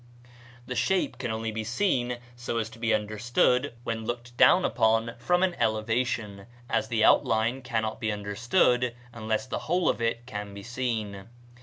The shape can only be seen so as to be understood when looked down upon from an elevation, as the outline cannot be understood unless the whole of it can be seen.